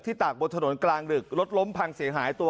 ตากบนถนนกลางดึกรถล้มพังเสียหายตัว